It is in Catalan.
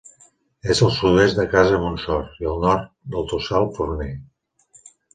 És al sud-oest de Casa Montsor i al nord del Tossal Forner.